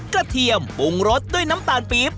เทียมปรุงรสด้วยน้ำตาลปี๊บ